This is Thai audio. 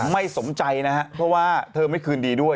ไม่สมใจนะครับเพราะว่าเธอไม่คืนดีด้วย